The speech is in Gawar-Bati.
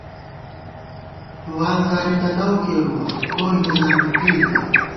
سوال زاری تہ لؤ کېرُوَہ ، کول مِزان بی پېئیتہ